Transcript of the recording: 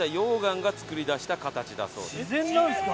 自然なんですか？